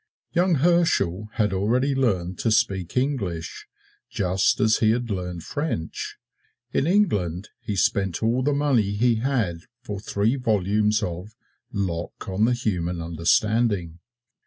Young Herschel had already learned to speak English, just as he had learned French. In England he spent all the money he had for three volumes of "Locke on the Human Understanding."